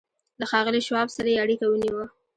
له ښاغلي شواب سره يې اړيکه ونيوه.